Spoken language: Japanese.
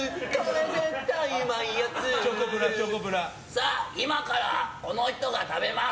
さあ、今からこの人が食べます